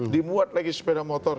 dimuat lagi sepeda motor